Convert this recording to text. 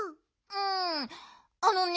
うんあのね